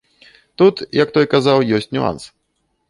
Тут, як той казаў, ёсць нюанс.